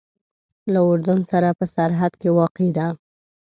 له اردن سره په سرحد کې واقع ده.